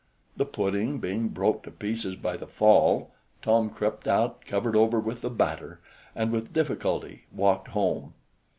The pudding being broke to pieces by the fall, Tom crept out covered over with the batter, and with difficulty walked home.